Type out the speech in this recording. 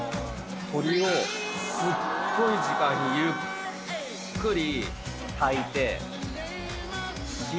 鶏をすっごい時間ゆっくり炊いて。